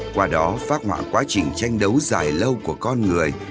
qua đó phát hoạn quá trình tranh đấu dài lâu của con người